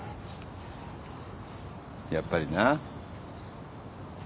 やっぱりな。